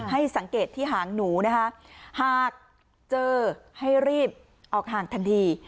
ให้สังเกตที่หางหนูนะคะหากเจอให้รีบออกห่างทันที